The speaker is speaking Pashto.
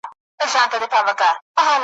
دام له سترګو وو نیهام خاورو کي ښخ وو `